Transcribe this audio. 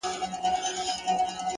ریښتینی عزت په کردار ترلاسه کېږي.!